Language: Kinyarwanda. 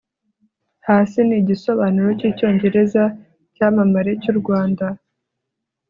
hasi ni igisobanuro cyicyongereza cyamamare cyu rwanda